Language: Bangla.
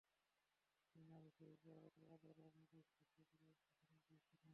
কিনাই, যেই পাহাড়ে আলোরা মাটি স্পর্শ করে, আমি সেখানে গিয়েছিলাম।